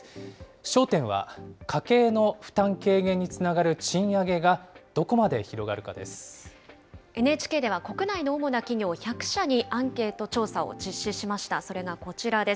焦点は、家計の負担軽減につながＮＨＫでは国内の主な企業１００社にアンケート調査を実施しました、それがこちらです。